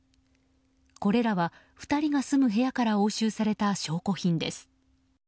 これらは２人が住む部屋から押収された証拠品です。